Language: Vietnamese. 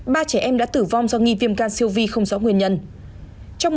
ba trẻ em đã tử vong do nghi viêm gan siêu vi không rõ nguyên nhân